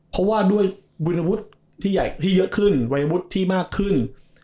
เพราะว่าด้วยวัยวุฒิที่เยอะขึ้นวัยวุฒิที่มากขึ้น